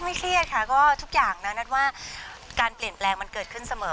เครียดค่ะก็ทุกอย่างนะนัทว่าการเปลี่ยนแปลงมันเกิดขึ้นเสมอ